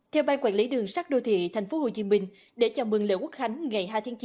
theo ban quản lý đường sắt đô thị thành phố hồ chí minh để chào mừng lễ quốc khánh ngày hai chín